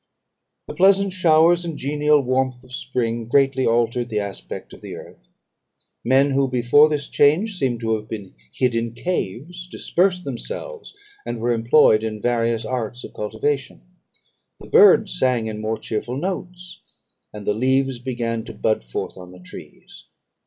"The pleasant showers and genial warmth of spring greatly altered the aspect of the earth. Men, who before this change seemed to have been hid in caves, dispersed themselves, and were employed in various arts of cultivation. The birds sang in more cheerful notes, and the leaves began to bud forth on the trees.